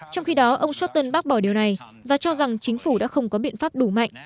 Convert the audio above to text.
trong khi đó ông sutton bác bỏ điều này và cho rằng chính phủ đã không có biện pháp đủ mạnh